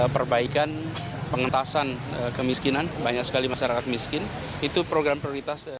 perbaikan pengentasan kemiskinan banyak sekali masyarakat miskin itu program prioritas